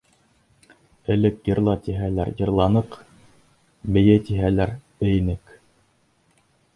Элек йырла тиһәләр — йырланыҡ, бейе тиһәләр — бейенек.